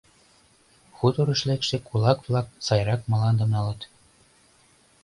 Хуторыш лекше кулак-влак сайрак мландым налыт.